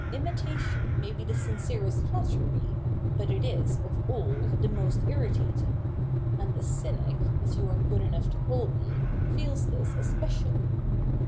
' Imitation may be the sincerest flattery, but it is, of all, the most irritating : and a cynic, as you are good enough to call me, feels this especially.